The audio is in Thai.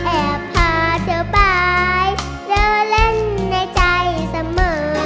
แอบพาเธอไปเธอเล่นในใจเสมอ